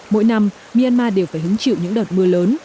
mỗi năm myanmar đều phải hứng chịu những đợt mưa lớn